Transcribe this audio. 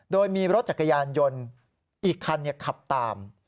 โดยมีรถจักรยานยนต์อีกคันขับตาม